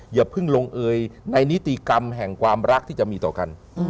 อย่าเพิ่งลงเอยในนิติกรรมแห่งความรักที่จะมีต่อกัน